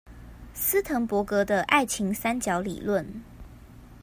斯騰伯格的愛情三角理論